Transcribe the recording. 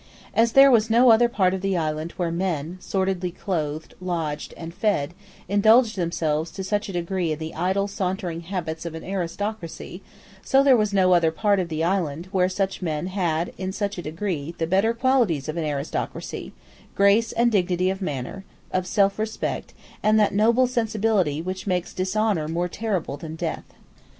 As there was no other part of the island where men, sordidly clothed, lodged, and fed, indulged themselves to such a degree in the idle sauntering habits of an aristocracy, so there was no other part of the island where such men had in such a degree the better qualities of an aristocracy, grace and dignity of manner, selfrespect, and that noble sensibility which makes dishonour more terrible than death.